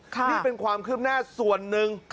นี่เป็นความคืบหน้าส่วนหนึ่ง